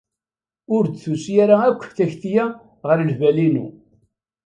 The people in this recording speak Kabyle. Ur d-tusi akk takti-a ɣer lbal-inu.